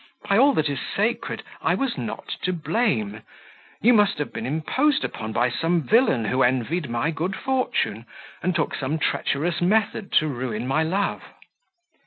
By all that is sacred, I was not to blame. You must have been imposed upon by some villain who envied my good fortune, and took some treacherous method to ruin my love."